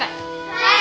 はい。